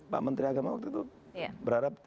pak menteri agama waktu itu berharap